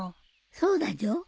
そうだじょ。